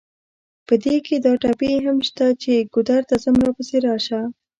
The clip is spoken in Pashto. په دې کې دا ټپې هم شته چې: ګودر ته ځم راپسې راشه.